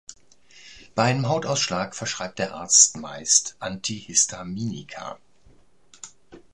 Bei einem Hautausschlag verschreibt der Arzt meist Antihistaminika.